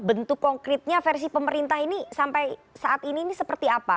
bentuk konkretnya versi pemerintah ini sampai saat ini ini seperti apa